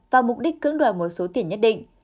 và mục đích cưỡng đoạt một số tiền nhất định